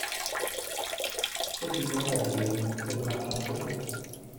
«Qu'est-il donc arrivé ?, C'est le marchand de cochons.